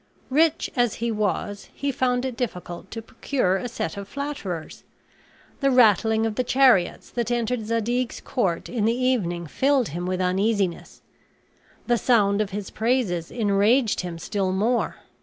Rich as he was, he found it difficult to procure a set of flatterers. The rattling of the chariots that entered Zadig's court in the evening filled him with uneasiness; the sound of his praises enraged him still more.